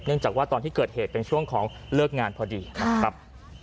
จากว่าตอนที่เกิดเหตุเป็นช่วงของเลิกงานพอดีนะครับ